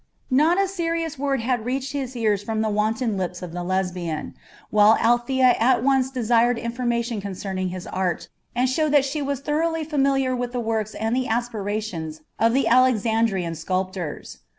Not a serious word had reached his ears from the wanton lips of the Lesbian, while Althea at once desired information concerning his art, and showed that she was thoroughly familiar with the works and the aspirations of the Alexandrian sculptors.